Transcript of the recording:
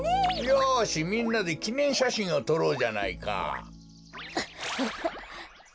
よしみんなできねんしゃしんをとろうじゃないか！